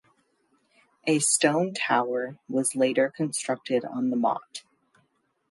A stone tower was later constructed on the motte.